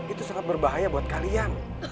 itu sangat berbahaya buat kalian